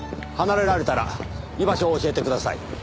離れられたら居場所を教えてください。